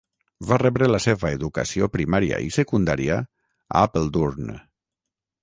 Va rebre la seva educació primària i secundària a Apeldoorn.